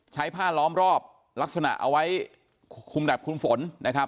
ใช้ผ้าล้อมรอบลักษณะเอาไว้คุมดับคุมฝนนะครับ